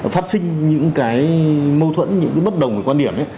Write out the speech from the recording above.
phát sinh những cái mâu thuẫn những cái bất đồng quan điểm